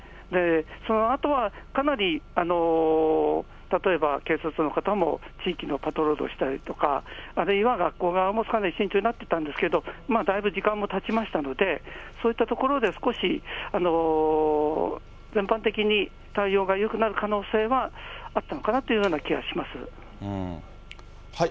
そのあとは、かなり、例えば警察の方も地域のパトロールしたりとか、あるいは、学校側もかなり慎重になってたんですけど、まあ、だいぶ時間もたちましたので、そういったところで少し、全般的に対応が緩くなる可能性はあったのかなというような気はします。